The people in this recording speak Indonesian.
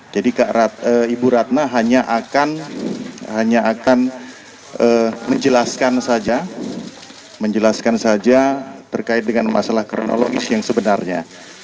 jadi ibu ratna hanya akan menjelaskan saja terkait dengan masalah kronologis yang sebenarnya